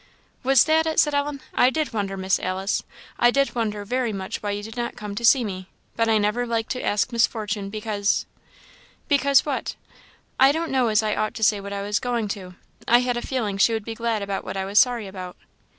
"Was that it?" said Ellen. "I did wonder, Miss Alice I did wonder very much why you did not come to see me, but I never liked to ask Aunt Fortune, because " "Because what?" "I don't know as I ought to say what I was going to; I had a feeling she would be glad about what I was sorry about."